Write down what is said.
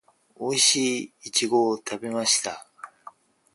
おいしいイチゴを食べました